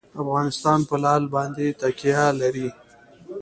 افغانستان په لعل باندې تکیه لري.